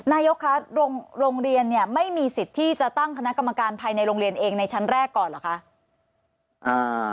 นายกคะโรงเรียนเนี่ยไม่มีสิทธิ์ที่จะตั้งคณะกรรมการภายในโรงเรียนเองในชั้นแรกก่อนเหรอคะ